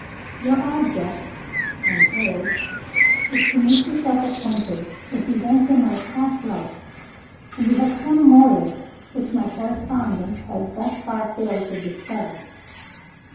Your object (I am told) is to make yourself acquainted with events in my past life, and you have some motive which my correspondent has thus far failed to discover.